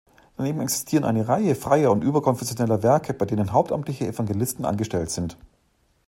Daneben existieren eine Reihe freier und überkonfessioneller Werke, bei denen hauptamtliche Evangelisten angestellt sind.